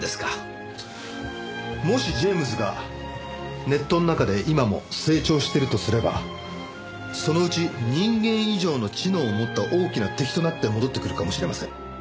もしジェームズがネットの中で今も成長してるとすればそのうち人間以上の知能を持った大きな敵となって戻ってくるかもしれません。